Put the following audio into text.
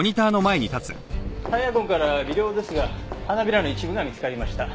タイヤ痕から微量ですが花びらの一部が見つかりました。